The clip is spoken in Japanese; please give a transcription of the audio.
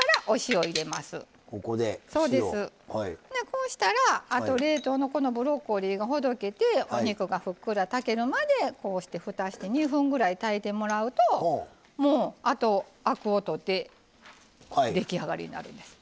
こうしたらあと冷凍のこのブロッコリーがほどけてお肉がふっくら炊けるまでこうしてふたして２分ぐらい炊いてもらうともうあとアクを取って出来上がりになるんです。